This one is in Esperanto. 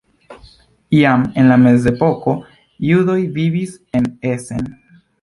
Jam en la mezepoko judoj vivis en Essen.